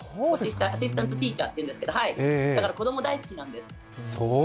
アシスタントティーチャーっていうんですけど、だから子供大好きなんです。